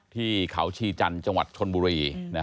ที่ขาวชีจัลจังหวัดชลบุรี